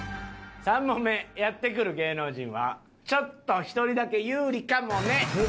３問目やって来る芸能人はちょっと１人だけ有利かもね。